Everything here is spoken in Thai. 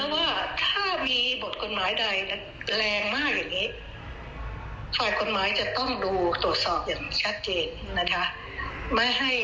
ไม่ให้มีคนพูดว่าน่าสงสารน่าเสียดายภายหลังอะไรอย่างนี้นะครับ